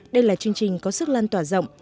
đây là chương trình có sức lan tỏa rộng